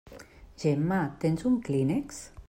Gemma, tens un clínex?